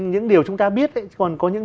những điều chúng ta biết còn có những